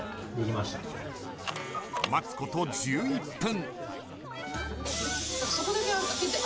待つこと１１分。